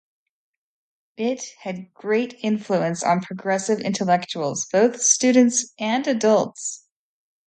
It had great influence on progressive intellectuals, both students and adults.